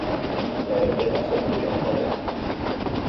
Per a què va servir l'òpera?